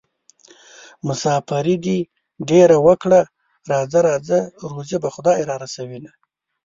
مساپري دې ډېره وکړه راځه راځه روزي به خدای رارسوينه